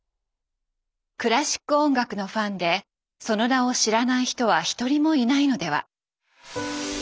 クラシック音楽のファンでその名を知らない人は一人もいないのでは。